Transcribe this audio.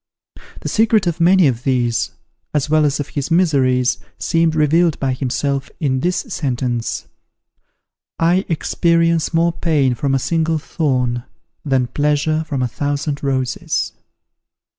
The secret of many of these, as well as of his miseries, seems revealed by himself in this sentence: "I experience more pain from a single thorn, than pleasure from a thousand roses."